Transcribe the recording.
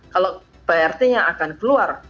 kalau prt nya akan keluar